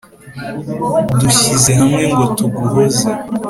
Dushyize hamwe ngo tuguhoze